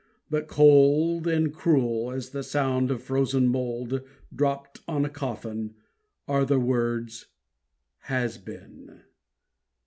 But cold And cruel as the sound of frozen mould Dropped on a coffin, are the words "Has been."